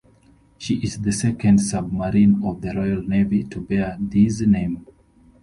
She is the second submarine of the Royal Navy to bear this name.